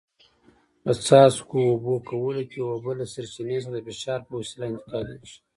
په څاڅکو اوبه کولو کې اوبه له سرچینې څخه د فشار په وسیله انتقالېږي.